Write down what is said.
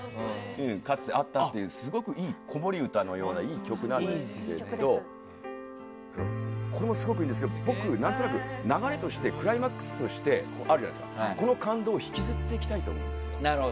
かつてあったというすごい子守唄のようないい曲なんですけどこれもすごくいいんですけど僕、何となくクライマックスとしてこの感動を引きずっていきたいと思うんです。